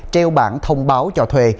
treo bảng thông báo cho thuê